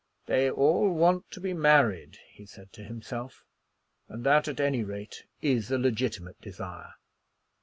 "They all want to be married," he said to himself, "and that at any rate is a legitimate desire."